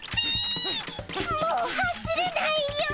もう走れないよ。